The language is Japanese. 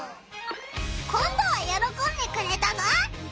今どはよろこんでくれたぞ！